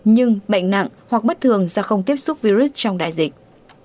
nhưng bệnh nặng hoặc bất thường do không tiếp xúc virus trong đại dịch